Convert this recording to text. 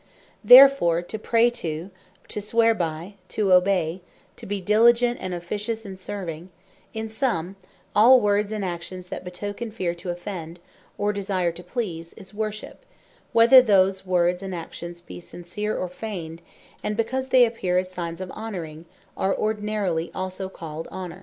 Therefore, to Pray to, to Swear by, to Obey, to bee Diligent, and Officious in Serving: in summe, all words and actions that betoken Fear to Offend, or Desire to Please, is Worship, whether those words and actions be sincere, or feigned: and because they appear as signes of Honoring, are ordinarily also called Honor.